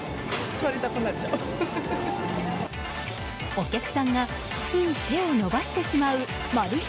お客さんがつい手を伸ばしてしまうマル秘